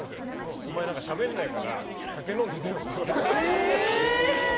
お前、しゃべんないから酒飲んで出ろって言われて。